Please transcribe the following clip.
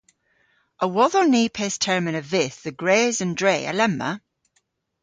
A wodhon ni pes termyn a vydh dhe gres an dre alemma?